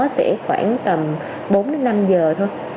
sẽ khoảng tầm bốn năm giờ thôi